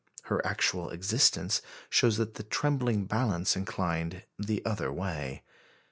Her actual existence shows that the trembling balance inclined the other way.